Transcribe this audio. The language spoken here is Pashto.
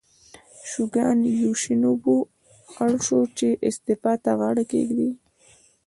شوګان یوشینوبو اړ شو چې استعفا ته غاړه کېږدي.